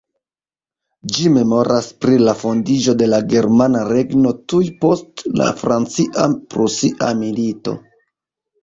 Ĝi memoras pri la fondiĝo de la Germana regno tuj post la Francia-Prusia Milito.